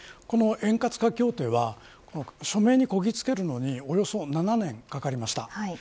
この円滑化協定は署名にこぎつけるのにおよそ７年かかりました。